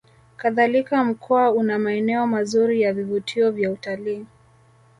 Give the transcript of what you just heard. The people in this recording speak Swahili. Kadhalika Mkoa una maeneo mazuri ya vivutio vya utalii